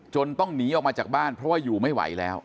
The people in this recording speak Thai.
ต้องหนีออกมาจากบ้านเพราะว่าอยู่ไม่ไหวแล้ว